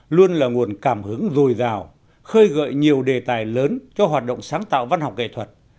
luôn là nguồn cảm hứng dồi dào khơi gợi nhiều đề tài lớn cho hoạt động sáng tạo văn học nghệ thuật